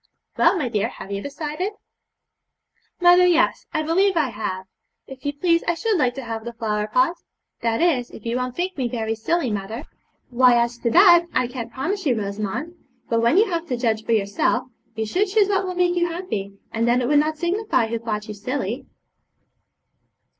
'Well, my dear, have you decided?' 'Mother! yes, I believe I have. If you please, I should like to have the flower pot; that is, if you won't think me very silly, mother.' 'Why, as to that, I can't promise you, Rosamond; but, when you have to judge for yourself, you should choose what will make you happy, and then it would not signify who thought you silly.'